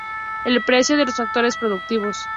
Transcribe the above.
El precio de los factores productivos.